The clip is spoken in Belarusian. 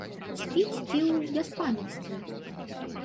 Спіць ці ў бяспамяцтве?